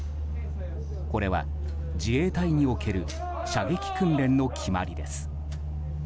これは、自衛隊における射撃訓練の決まりです。